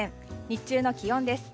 日中の気温です。